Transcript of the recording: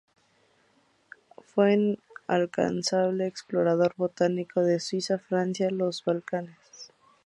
Fue un incansable explorador botánico de Suiza, Francia, los Balcanes.